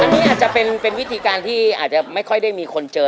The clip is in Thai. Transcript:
อันนี้อาจจะเป็นวิธีการที่อาจจะไม่ค่อยได้มีคนเจอ